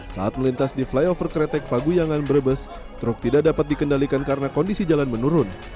saat melintas di flyover kretek paguyangan brebes truk tidak dapat dikendalikan karena kondisi jalan menurun